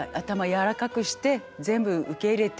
柔らかくして全部受け入れて。